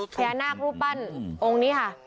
พญานาครูปปั้นองค์นี้ค่ะ